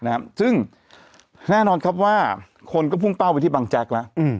นะครับซึ่งแน่นอนครับว่าคนก็พุ่งเป้าไปที่บางแจ๊กแล้วอืม